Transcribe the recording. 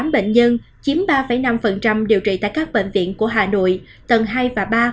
ba một trăm ba mươi tám bệnh nhân chiếm ba năm điều trị tại các bệnh viện của hà nội tầng hai và ba